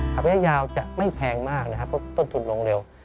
ความยาวจะไม่แพงมากเพราะก็ต้นทุนลงเร็ว